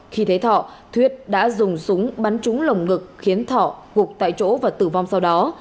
khi thấy thọ thuyết đã dùng súng bắn trúng lồng ngực khiến thọ gục tại chỗ và tử vong sau đó